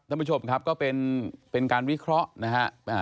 ท่านผู้ชมครับก็เป็นการวิเคราะห์นะฮะ